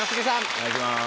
お願いします。